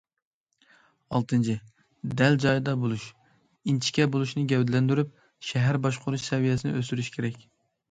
ئالتىنچى، دەل جايىدا بولۇش، ئىنچىكە بولۇشنى گەۋدىلەندۈرۈپ، شەھەر باشقۇرۇش سەۋىيەسىنى ئۆستۈرۈش كېرەك.